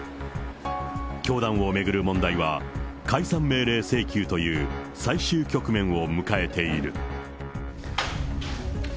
教団を巡る問題は、解散命令請求という最終局面を迎えている。